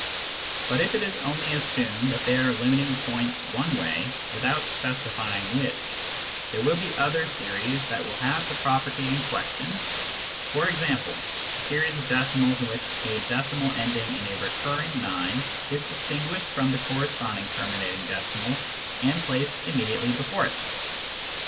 But if it is only assumed that they are limiting points one way, without specify ing which, there will be other series that will have the property in question — for example, the series of decimals in which a decimal ending in a recurring 9 is distinguished from the corresponding terminating decimal and placed immediately before it.